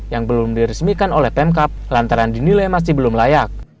yang belum diresmikan oleh pemkap lantaran dinilai masih belum layak